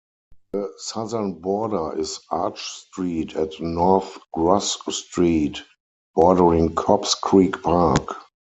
The southern border is Arch Street at North Gross Street, bordering Cobbs Creek Park.